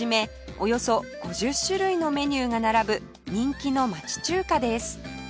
およそ５０種類のメニューが並ぶ人気の町中華です